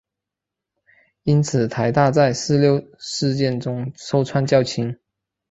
因此台大在四六事件中受创较轻。